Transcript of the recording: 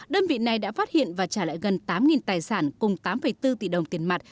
đơn vị này đã phát hiện và trả lại gần tám tài sản cùng tám bốn tỷ đồng tiền mặt